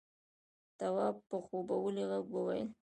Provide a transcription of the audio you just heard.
تواب په خوبولي غږ وويل: